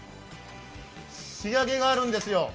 仕上げがあるんですよ。